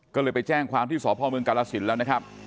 ก็เลยไปแจ้งความที่สพกรศิลป์แล้วนะครับ